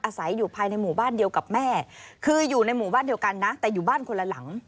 อาศัยอยู่ภายในหมู่บ้านเดียวกับแม่คืออยู่ในหมู่บ้านเดียวกันนะแต่อยู่บ้านคนละหลัง